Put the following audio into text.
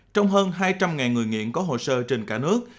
trong hơn hai trăm linh người nghiện có hồ sơ trên cả nước